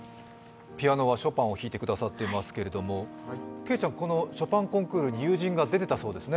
ピアノはショパンを弾いてくださっていますけど、けいちゃんショパンコンクールに友人が出ていたそうですね。